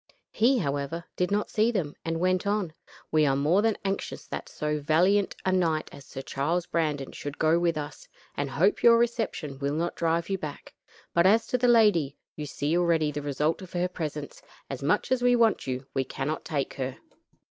He, however, did not see them, and went on: "We are more than anxious that so valiant a knight as Sir Charles Brandon should go with us, and hope your reception will not drive you back, but as to the lady you see already the result of her presence, and much as we want you, we cannot take her.